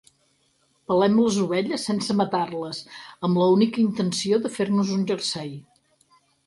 Pelem les ovelles sense matar-les, amb l'única intenció de fer-nos un jersei.